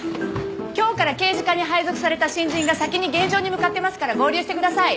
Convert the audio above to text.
今日から刑事課に配属された新人が先に現場に向かってますから合流してください。